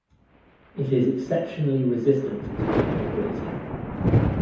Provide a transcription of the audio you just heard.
It is exceptionally resistant to cattle grazing.